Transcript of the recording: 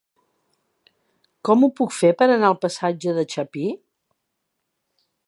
Com ho puc fer per anar al passatge de Chapí?